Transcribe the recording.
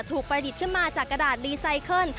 ประดิษฐ์ขึ้นมาจากกระดาษรีไซเคิล